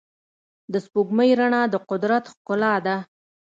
د سپوږمۍ رڼا د قدرت ښکلا ده.